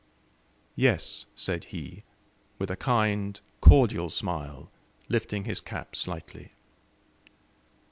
"Yes," said he, with a kind, cordial smile, lifting his cap slightly.